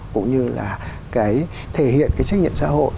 cũng như là cái thể hiện cái trách nhiệm xã hội